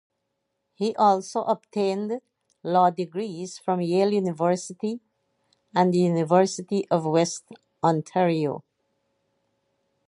He also obtained law degrees from Yale University and the University of Western Ontario.